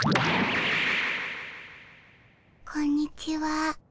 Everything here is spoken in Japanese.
こんにちは。